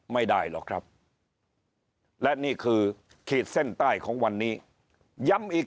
ไม่ได้หรอกครับและนี่คือขีดเส้นใต้ของวันนี้ย้ำอีก